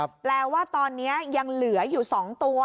แปลว่าตอนนี้ยังเหลืออยู่๒ตัว